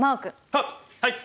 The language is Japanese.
はっはい！